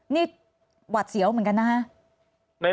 นี่หวัดเสียวเหมือนกันนะคะ